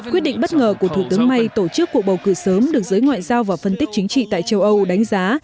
quyết định bất ngờ của thủ tướng may tổ chức cuộc bầu cử sớm được giới ngoại giao và phân tích chính trị tại châu âu đánh giá